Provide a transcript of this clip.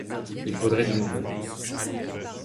Il faudrait du nouveau.